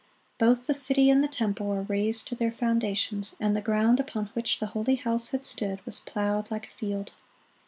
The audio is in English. Both the city and the temple were razed to their foundations, and the ground upon which the holy house had stood was "plowed like a field."